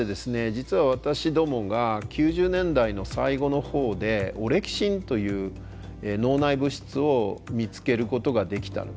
実は私どもが９０年代の最後のほうでオレキシンという脳内物質を見つけることができたんですね。